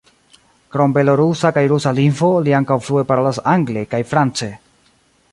Krom belorusa kaj rusa lingvo, li ankaŭ flue parolas angle kaj france.